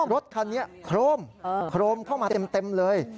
รถคันนี้โครมโครมเข้ามาเต็มเลย